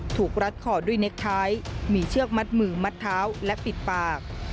รัดคอด้วยเน็กท้ายมีเชือกมัดมือมัดเท้าและปิดปาก